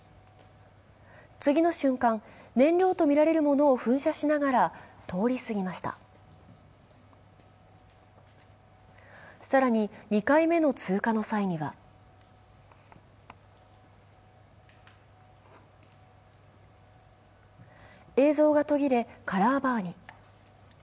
次の瞬間、燃料とみられるものを噴射しながら更に、２回目の通過の際には映像が途切れ、カラーバーに。